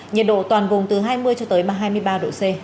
nhiệt độ toàn vùng từ hai mươi cho tới hai mươi ba độ c